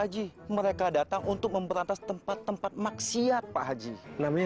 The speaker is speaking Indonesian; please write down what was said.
haji mereka datang untuk memberantas tempat tempat maksiat pak haji namanya